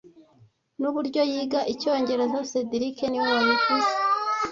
Nuburyo yiga Icyongereza cedric niwe wabivuze